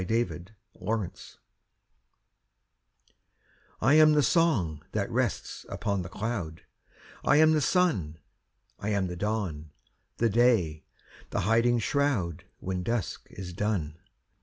I AM THE WORLD I am the song, that rests upon the cloud; I am the sun: I am the dawn, the day, the hiding shroud, When dusk is done.